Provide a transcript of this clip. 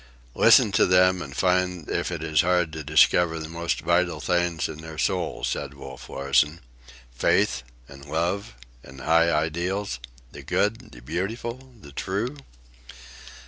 "Listen to them, and find if it is hard to discover the most vital thing in their souls," said Wolf Larsen. "Faith? and love? and high ideals? The good? the beautiful? the true?"